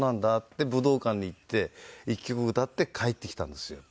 で武道館に行って１曲歌って帰ってきたんですよ。